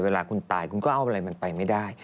เวลาคุณตายคุณก็เอาอะไรมันไปไม่ได้